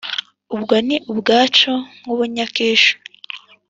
Ubwo ni ubwacu nk’u Bunyakisho,